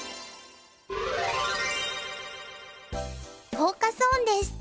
フォーカス・オンです。